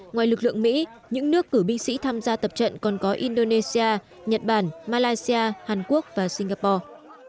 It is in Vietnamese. ngoài lực lượng mỹ những nước cử binh sĩ tham gia tập trận còn có indonesia nhật bản malaysia hàn quốc và singapore